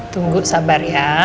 tunggu sabar ya